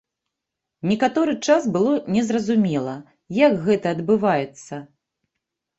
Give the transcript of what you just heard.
Некаторы час было незразумела, як гэта адбываецца.